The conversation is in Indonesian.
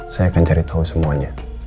saya akan cari tahu semuanya